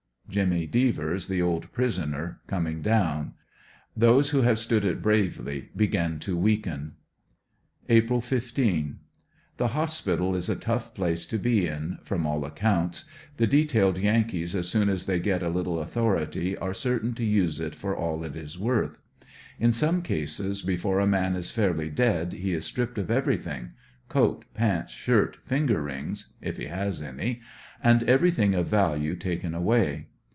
Jimmy Devers, the old prisoner, coming down Those who have stood 11 bravely begin to weaken. April 15. — The hospital is a tough place to be in, from, all accounts, the detailed Yankees as soon as they get a little author ity are certain to use it for all it is worth. In some cases before a man is fairly dead, he is stripped of everything, coat, pants, shirt, finger rings (if he has any), and everything of value taken away.